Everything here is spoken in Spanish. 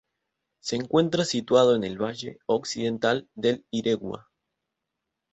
Se encuentra situado en el valle occidental del Iregua.